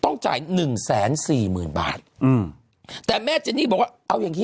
ต้องจ่ายหนึ่งแสนสี่หมื่นบาทอืมแต่แม่เจนนี่บอกว่าเอาอย่างงี้